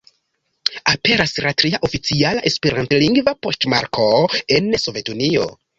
Aperas la tria oficiala esperantlingva poŝtmarko en Sovetunio.